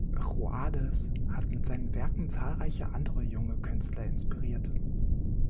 Rhoades hat mit seinen Werken zahlreiche andere junge Künstler inspiriert.